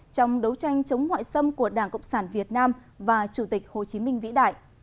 trong đấu tranh chống ngoại xâm của đảng cộng sản việt nam và chủ tịch hồ chí minh vĩ đại